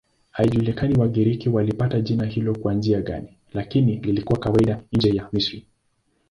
Haijulikani Wagiriki walipata jina hilo kwa njia gani, lakini lilikuwa kawaida nje ya Misri.